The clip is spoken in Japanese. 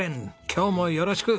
今日もよろしく！